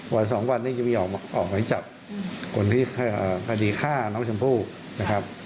วันสองวันนี้จะมีออกหมายจับคนที่คดีฆ่าน้องชมพู่นะครับ